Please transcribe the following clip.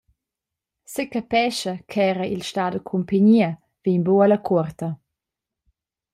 Secapescha ch’era il star da cumpignia vegn buc alla cuorta.